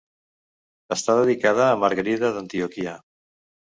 Està dedicada a Margarida d'Antioquia.